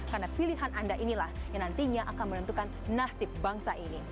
karena pilihan anda inilah yang nantinya akan menentukan nasib bangsa ini